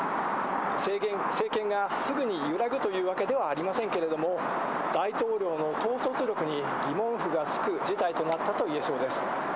政権がすぐに揺らぐというわけではありませんけれども、大統領の統率力に疑問符がつく事態となったといえそうです。